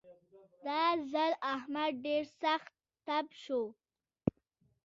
دا ځل احمد ډېر سخت تپ شو.